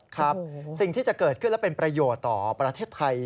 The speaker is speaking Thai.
ครับสิ่งที่จะเกิดขึ้นและเป็นประโยชน์ต่อประเทศไทย